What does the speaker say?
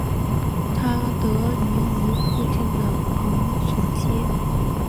它得名于附近的蓬索街。